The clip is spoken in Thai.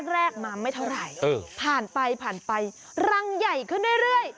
แรกมาไม่เท่าไหร่ผ่านไปผ่านไปรังใหญ่ขึ้นเรื่อย